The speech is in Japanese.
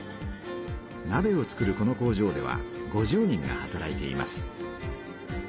なべを作るこの工場では５０人が働いています。